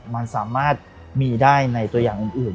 มันสามารถมีได้ในตัวอย่างอื่น